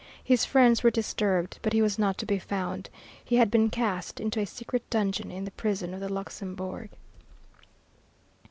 His friends were disturbed, but he was not to be found. He had been cast into a secret dungeon in the prison of the Luxembourg.